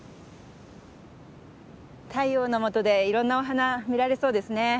太陽のもとでいろんなお花見られそうですね。